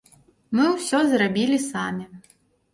Мы ўсё зрабілі самі.